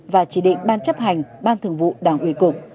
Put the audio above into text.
và chỉ định ban chấp hành ban thường vụ đảng ủy cục